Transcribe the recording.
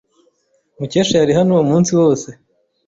Mukesha yari hano umunsi wose.